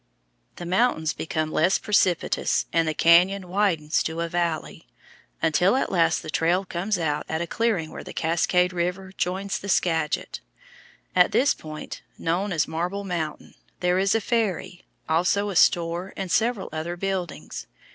The mountains become less precipitous and the cañon widens to a valley, until at last the trail comes out at a clearing where the Cascade River joins the Skagit. At this point, known as Marble Mountain, there is a ferry, also a store and several other buildings.